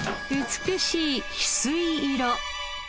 美しいひすい色。